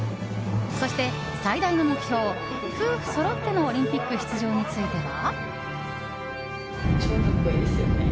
そして、最大の目標夫婦そろってのオリンピック出場については。